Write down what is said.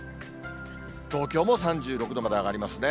東京も３６度まで上がりますね。